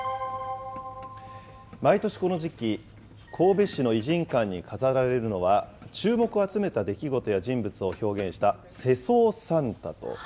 毎年、この時期、神戸市の異人館に飾られるのは、注目を集めた出来事や人物を表現した、世相サンタと。